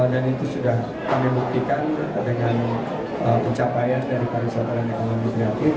dan itu sudah kami buktikan dengan pencapaian dari pariwisata dan ekonomi